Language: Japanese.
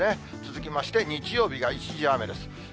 続きまして、日曜日が一時雨です。